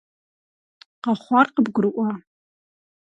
Къэхъуар къыбгурыӀуа?